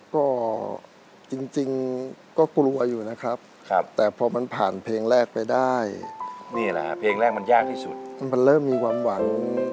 ก็จริงก็กลัวอยู่นะครับแต่พอมันผ่านเพลงแรกไปได้นี่แหละเพลงแรกมันยากที่สุดมันเริ่มมีความหวัง